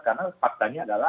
karena faktanya adalah